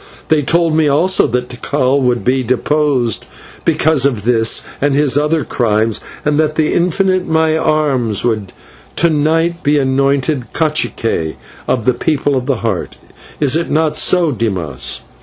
They told me also that Tikal would be deposed because of this and his other crimes, and that the infant in my arms would to night be anointed /cacique/ of the people of the Heart. Is it not so, Dimas?"